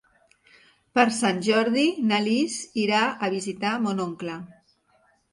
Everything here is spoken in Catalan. Per Sant Jordi na Lis irà a visitar mon oncle.